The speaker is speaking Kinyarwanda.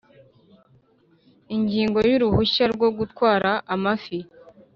Ingingo y Uruhushya rwo gutwara amafi